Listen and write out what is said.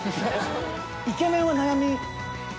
イケメンは悩み。